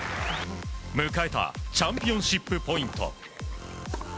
迎えたチャンピオンシップポイント。